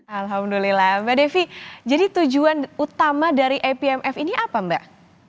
alhamdulillah mbak devi jadi tujuan utama dari apmf ini apa mbak